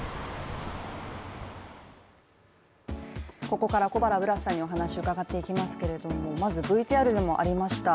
ここから小原ブラスさんにお話を伺っていきますけれども、まずＶＴＲでもありました